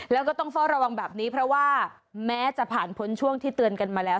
แล้วก็ต้องเฝ้าระวังแบบนี้เพราะว่าแม้จะผ่านพ้นช่วงที่เตือนกันมาแล้ว